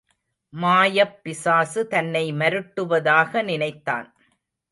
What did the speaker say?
மாயப்பிசாசு தன்னை மருட்டுவதாக நினைத்தான்.